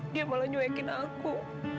dia malah nyuekin aku